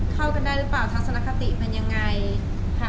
เข้ากันได้หรือเปล่าทัศนคติเป็นยังไงค่ะ